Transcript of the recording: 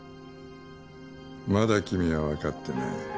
まだ君はわかってない。